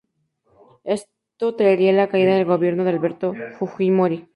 Esto traería la caída del Gobierno de Alberto Fujimori.